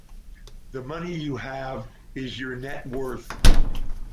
The money you have is your net worth.